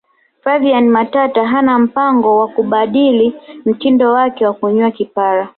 flaviana matata hana mpango wa kubadili mtindo wake wa kunyoa kipara